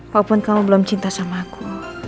walaupun kamu belum cinta sama aku